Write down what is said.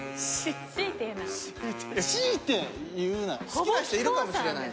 好きな人いるかもしれない。